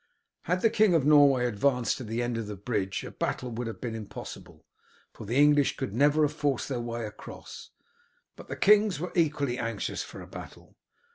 Had the King of Norway advanced to the end of the bridge a battle would have been impossible, for the English could never have forced their way across. But the kings were equally anxious for a battle.